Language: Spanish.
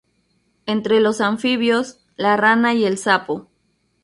Entre los anfibios, la rana y el sapo.